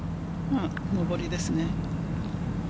上りですね。